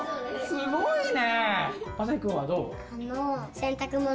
すごいね。